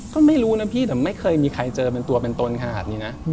ก็ไม่รู้นะพี่แต่ไม่เคยมีใครเจอเป็นตัวเป็นตนขนาดนี้นะ